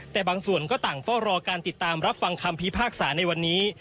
แต่บางส่วนก็ต่างเฝ้ารอการติดตามรับฟังคำพิพากษาในวันนี้